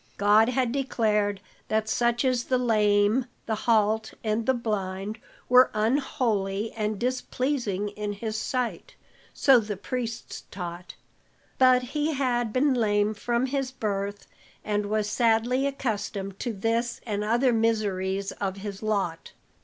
God had declared that such as the lame, the halt and the blind were unholy and displeasing in his sight, so the priests taught. But he had been lame from his birth and was sadly accustomed to this and other miseries of his lot.